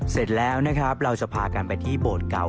เสร็จแล้วนะครับเราจะพากันไปที่โบสถ์เก่า